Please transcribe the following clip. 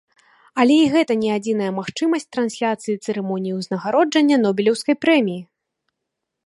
Але і гэта не адзіная магчымасць трансляцыі цырымоніі ўзнагароджання нобелеўскай прэміі!